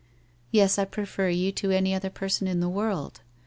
Yes, I prefer you to any other person in the world.